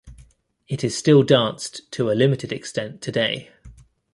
It is still danced to a limited extent today.